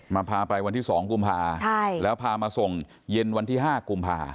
มาพาไปวันที่สองกุมภาพันธ์แล้วพามาส่งเย็นวันที่ห้ากุมภาพันธ์